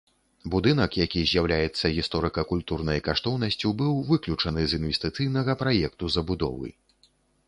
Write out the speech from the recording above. Будынак, які з'яўляецца гісторыка-культурнай каштоўнасцю, быў выключаны з інвестыцыйнага праекту забудовы.